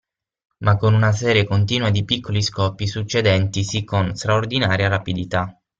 Ma con una serie continua di piccoli scoppi succedentisi con straordinaria rapidità.